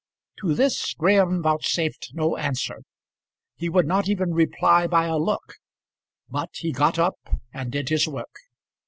To this Graham vouchsafed no answer. He would not even reply by a look, but he got up and did his work.